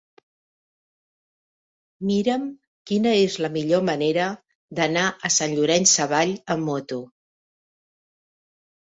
Mira'm quina és la millor manera d'anar a Sant Llorenç Savall amb moto.